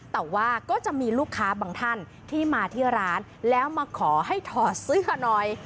แต่ว่าก็จะมีลูกค้าบางท่านที่มาที่ร้านแล้วมาขอให้ถอดเสื้อหน่อย